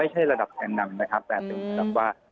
ไม่ใช่ระดับแก่นนำนะครับแต่เป็นระดับว่า